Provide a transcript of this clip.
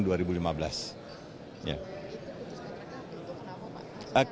itu sudah kena untuk nama pak